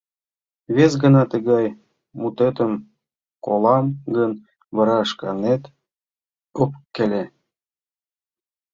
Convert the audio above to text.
Вес гана тыгай мутетым колам гын, вара шканет ӧпкеле...